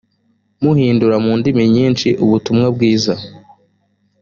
muhindura mu ndimi nyinshi ubutumwa bwiza